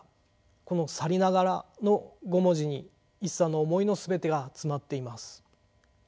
この「さりながら」の五文字に一茶の思いの全てが詰まっています。